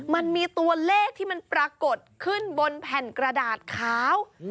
มันมีตัวเลขที่มันปรากฏขึ้นบนแผ่นกระดาษขาว